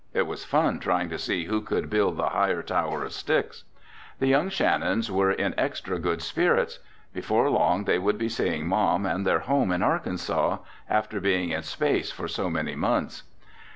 It was fun trying to see who could build the higher tower of sticks. The young Shannons were in extra good spirits. Before long they would be seeing Mom and their home in Arkansas, after being in space for so many months.